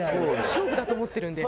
勝負だと思ってるんで。